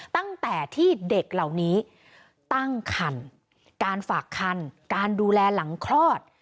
ตั้งแต่ที่เด็กเหล่านี้ตั้งคันการฝากคันการดูแลหลังคลอด